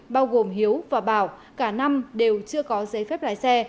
bao gồm hiếu và bảo cả năm đều chưa có giấy phép lái xe